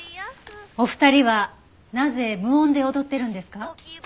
お二人はなぜ無音で踊ってるんですか？